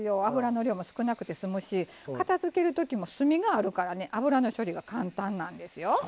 油の量も少なくて済むし片づける時も隅があるからね油の処理が簡単なんですよ。